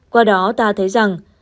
qua đó ta thấy rằng